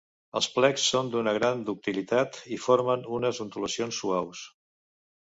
Els plecs són d'una gran ductilitat, i formen unes ondulacions suaus.